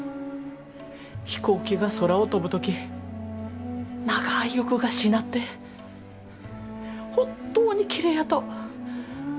飛行機が空を飛ぶ時長い翼がしなって本当にきれいやと。